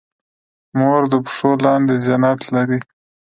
مور د پښو لاندې جنت لري